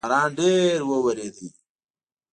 باران ډیر اووریدو